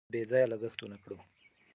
موږ باید بې ځایه لګښت ونکړو.